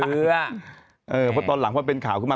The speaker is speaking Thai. เพราะตอนหลังพอเป็นข่าวขึ้นมา